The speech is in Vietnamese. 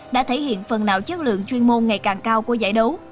đã thể hiện phần nào chất lượng chuyên môn ngày càng cao của giải đấu